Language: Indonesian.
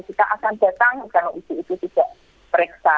kita akan datang kalau ibu itu tidak periksa